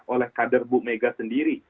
oleh kader bu mega sendiri